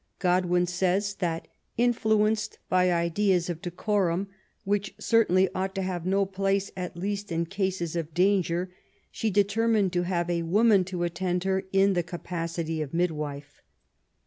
Godwin says that, '' influenced by ideas of decorum, which certainly ought to have no place^ at least in cases of danger, she determined to have a woman to attend her in the capacity of midwife.''